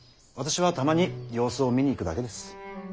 私はたまに様子を見に行くだけです。